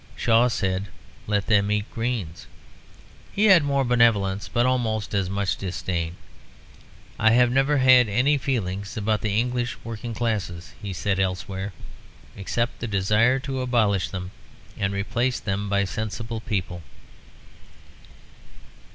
Shaw said, "Let them eat greens." He had more benevolence, but almost as much disdain. "I have never had any feelings about the English working classes," he said elsewhere, "except a desire to abolish them and replace them by sensible people."